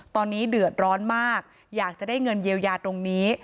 ตอนนี้เดือดร้อนมากอยากจะได้เงินเยียวยาตรงนี้